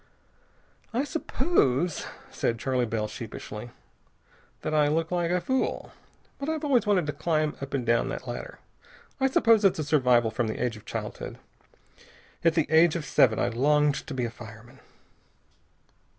"I suppose," said Charley Bell sheepishly, "that I look like a fool. But I've always wanted to climb up and down that ladder. I suppose it's a survival from the age of childhood. At the age of seven I longed to be a fireman."